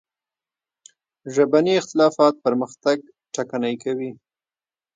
ژبني اختلافات پرمختګ ټکنی کوي.